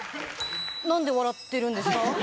何で笑ってるんですか？